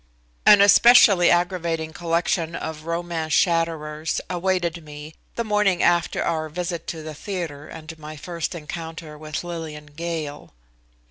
An especially aggravating collection of romance shatterers awaited me the morning after our visit to the theatre, and my first encounter with Lillian Gale.